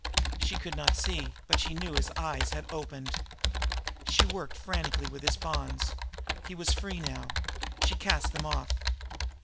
She could not see; but she knew his eyes had opened. She worked frantically with the bonds. He was free now. She cast them off.